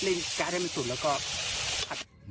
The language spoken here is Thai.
เราก็ขายให้มันจุดเราก็แข็ง